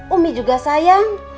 umi juga sayang